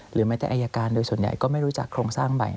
แม้แต่อายการโดยส่วนใหญ่ก็ไม่รู้จักโครงสร้างใหม่